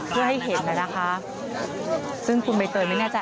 เพื่อให้เห็นน่ะนะคะซึ่งคุณใบเตยไม่แน่ใจ